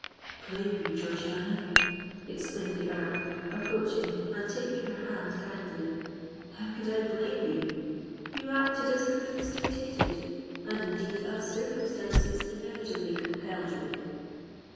"Blame you, Georgiana!" exclaimed the Earl, approaching and taking her hand kindly;—"how could I blame you? You acted as prudence dictated—and, indeed, as circumstances inevitably compelled you.